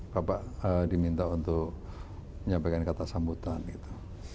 bapak diminta untuk menyampaikan kata sambutan gitu